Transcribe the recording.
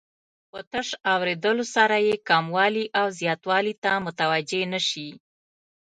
په تش اوریدلو سره یې کموالي او زیاتوالي ته متوجه نه شي.